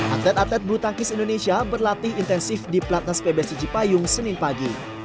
atlet atlet bulu tangkis indonesia berlatih intensif di platnas pbsi cipayung senin pagi